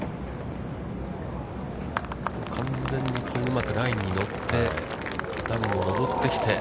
完全にうまくラインに乗って、段を上ってきて。